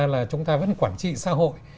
và là một trong những nguồn nhân lực của chúng ta